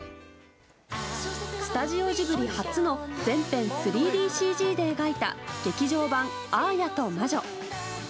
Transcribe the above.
スタジオジブリ初の全編３ＤＣＧで描いた「劇場版アーヤと魔女」。